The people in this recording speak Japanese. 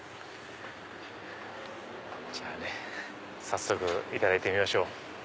じゃあね早速いただいてみましょう。